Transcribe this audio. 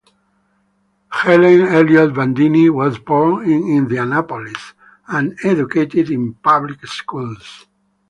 Helen Elliott Bandini was born in Indianapolis and educated in public schools.